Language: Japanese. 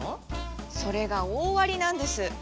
それが大ありなんです。